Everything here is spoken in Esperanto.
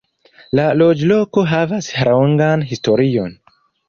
La loĝloko havas longan historion.